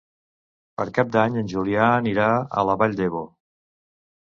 Per Cap d'Any en Julià anirà a la Vall d'Ebo.